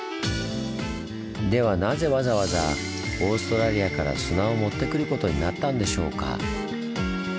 ではなぜわざわざオーストラリアから砂をもってくることになったんでしょうか？